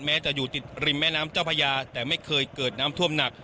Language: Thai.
จะอยู่ติดริมแม่น้ำเจ้าพญาแต่ไม่เคยเกิดน้ำท่วมหนัก